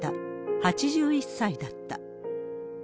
８１歳だった。